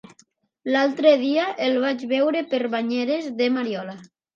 L'altre dia el vaig veure per Banyeres de Mariola.